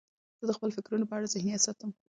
زه د خپلو فکرونو په اړه ذهنیت ساتم.